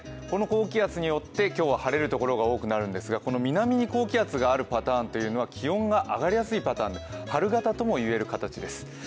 この高気圧によって今日は晴れるところが多くなるんですが、この南に高気圧があるパターンというのは気温が上がりやすいパターン春型とも言える形です。